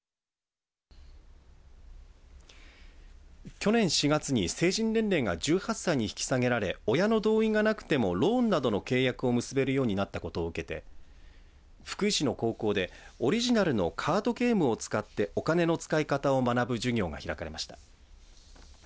去年４月に成人年齢が１８歳に引き下げられ親の同意がなくてもローンなどの契約を結べるようになったことを受けて福井市の高校でオリジナルのカードゲームを使って、お金の使い方を学ぶ授業が開かれました。